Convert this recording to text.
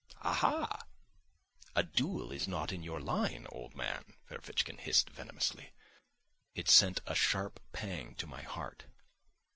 "Aha! A duel is not in your line, old man," Ferfitchkin hissed venomously. It sent a sharp pang to my heart.